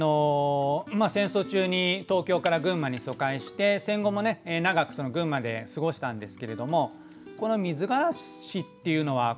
戦争中に東京から群馬に疎開して戦後もね長く群馬で過ごしたんですけれどもこの「水芥子」っていうのはクレソンのことですね。